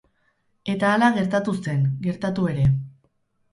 Eta hala gertatu zen, gertatu ere.